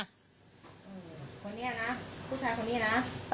คนนี้นะผู้ชายคนนี้นะ